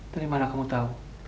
dari mana kamu tahu